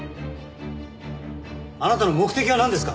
あなたの目的はなんですか！？